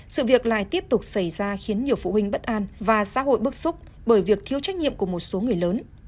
sự việc lại tiếp tục xảy ra khiến nhiều phụ huynh bất an và xã hội bức xúc bởi việc thiếu trách nhiệm của một số người lớn